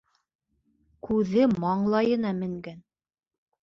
Күҙе маңлайына менгән.